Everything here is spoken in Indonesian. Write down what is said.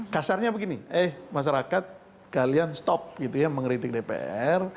kasarnya begini eh masyarakat kalian stop gitu ya mengeritik dpr